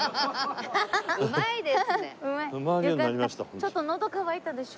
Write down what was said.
ちょっとのど渇いたでしょ？